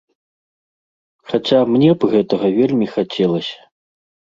Хаця мне б гэтага вельмі хацелася.